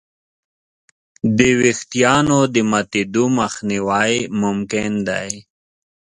د وېښتیانو د ماتېدو مخنیوی ممکن دی.